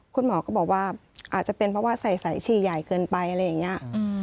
คุณหมอก็บอกว่าอาจจะเป็นเพราะว่าใส่สายฉี่ใหญ่เกินไปอะไรอย่างนี้